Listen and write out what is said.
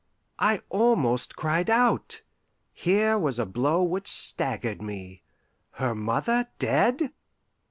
I almost cried out. Here was a blow which staggered me. Her mother dead!